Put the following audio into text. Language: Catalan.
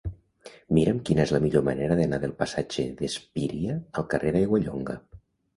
Mira'm quina és la millor manera d'anar del passatge d'Espíria al carrer d'Aiguallonga.